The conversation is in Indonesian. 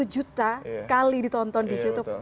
dua puluh juta kali ditonton di youtube